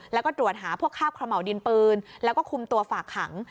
แล้วก็ตรวจหาพวกคาบขม่าวดินปืนแล้วก็คุมตัวฝากขัง